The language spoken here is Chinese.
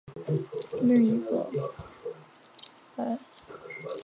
另一个环内的白头海雕并没有为此头戴皇冠。